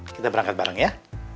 kita berangkat bareng ya